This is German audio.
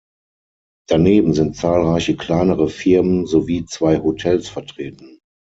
Daneben sind zahlreiche kleinere Firmen sowie zwei Hotels vertreten.